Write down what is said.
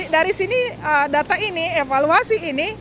dari sini data ini evaluasi ini